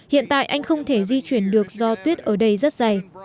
hiện tại anh không thể di chuyển được do tuyết ở đây rất dày